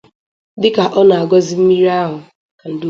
Dịka ọ na-agọzi mmiri ahụ